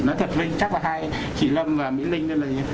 nói thật vinh chắc là hai chị lâm và mỹ linh